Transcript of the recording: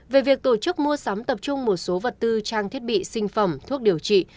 về việc tổ chức mua sắm tập trung một số vật tư trang thiết bị sinh phẩm thuốc điều trị